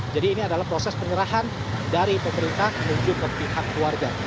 jadi ini adalah proses penyerahan dari pemerintah menuju ke pihak keluarga